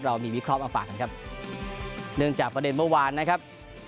เรามีวิเคราะห์มาฝากกันครับเนื่องจากประเด็นเมื่อวานนะครับ